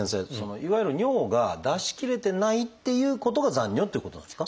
いわゆる尿が出しきれてないっていうことが残尿っていうことですか？